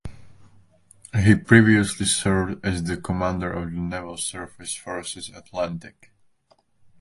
He previously served as the Commander of the Naval Surface Forces Atlantic.